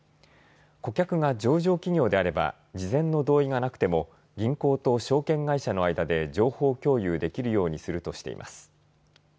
顧客が上場企業であれば事前の同意がなくても銀行と証券会社の間で情報共有できるようにするとしています。